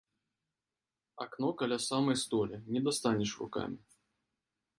Акно каля самай столі, не дастанеш рукамі.